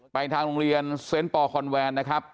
ทางโรงเรียนเซนต์ปอคอนแวนนะครับ